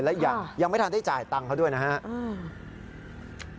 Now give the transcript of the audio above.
และยังไม่ทันได้จ่ายตังค์เขาด้วยนะครับ